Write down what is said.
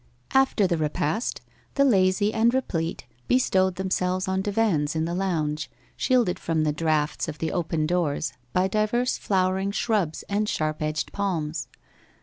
After the repast, the lazy and replete bestowed them selves on divans in the lounge, shielded from the draughts of the open doors by divers flowering shrubs and sharp edged palms.